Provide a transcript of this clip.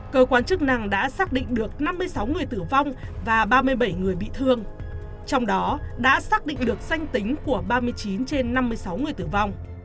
cơ quan chức năng đã xác định được năm mươi sáu người tử vong và ba mươi bảy người bị thương trong đó đã xác định được danh tính của ba mươi chín trên năm mươi sáu người tử vong